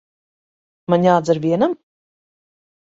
Man jādzer vienam?